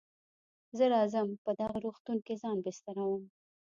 زه راځم په دغه روغتون کې ځان بستروم.